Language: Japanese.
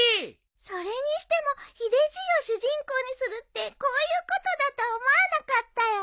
それにしてもヒデじいを主人公にするってこういうことだとは思わなかったよ。